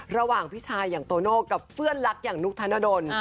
ระหว่างพี่ชายอย่างโตโน่กับเพื่อนรักอย่างนุกธนดล